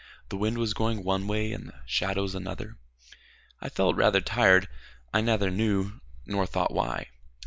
The wind was going one way, and the shadows another. I felt rather tired, I neither knew nor thought why.